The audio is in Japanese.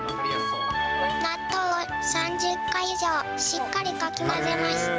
納豆を３０回以上しっかりかき混ぜます。